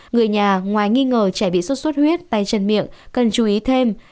người nhà ngoài nghi ngờ trẻ bị sốt xuất huyết tay chân miệng cần chú ý thêm